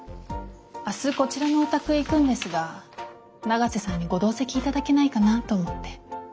明日こちらのお宅へ行くんですが永瀬さんにご同席いただけないかなと思って。